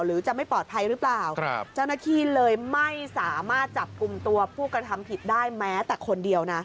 หรือจะไม่ปลอดภัยหรือเปล่าครับเจ้าหน้าที่เลยไม่สามารถจับกลุ่มตัวผู้กระทำผิดได้แม้แต่คนเดียวนะ